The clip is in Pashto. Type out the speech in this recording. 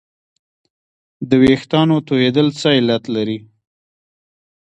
د وېښتانو تویدل څه علت لري